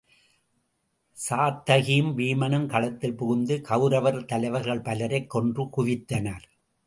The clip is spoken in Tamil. சாத்தகியும் வீமனும் களத்தில் புகுந்து கவுரவர் தலைவர்கள் பலரைக் கொன்று குவித்தனர்.